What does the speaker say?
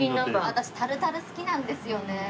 私タルタル好きなんですよね。